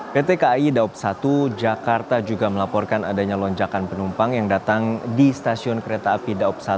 pt kai daob satu jakarta juga melaporkan adanya lonjakan penumpang yang datang di stasiun kereta api daob satu